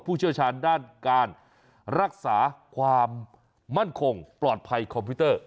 เชี่ยวชาญด้านการรักษาความมั่นคงปลอดภัยคอมพิวเตอร์